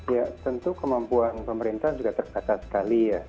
ya tentu kemampuan pemerintah juga tercatat sekali ya